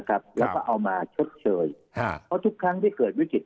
แล้วก็เอามาชดเชยเพราะทุกครั้งที่เกิดวิกฤต